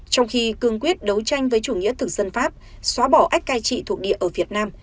khi hồ chí minh quyết đấu tranh với chủ nghĩa thực dân pháp xóa bỏ ách cai trị thuộc địa ở việt nam